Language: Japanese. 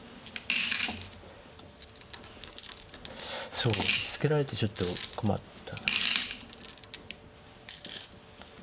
そうツケられてちょっと困った。